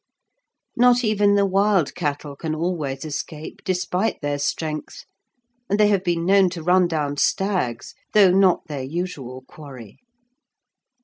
Not even the wild cattle can always escape, despite their strength, and they have been known to run down stags, though not their usual quarry.